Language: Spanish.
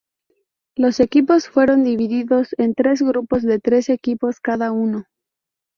Los equipos fueron divididos en tres grupos de tres equipos cada uno.